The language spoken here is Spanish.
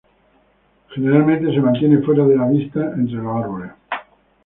Generalmente se mantiene fuera de la vista, entre los árboles.